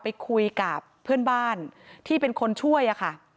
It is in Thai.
ไปคุยกับเพื่อนบ้านที่เป็นคนช่วยอะค่ะ